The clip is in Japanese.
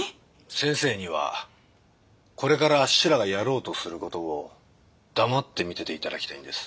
先生にはこれからあっしらがやろうとする事を黙って見てて頂きたいんです。